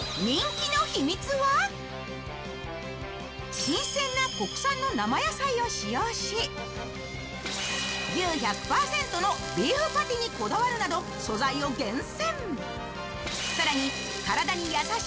新鮮な国産の生野菜を使用し牛１００％のビーフパティにこだわるなど素材を厳選。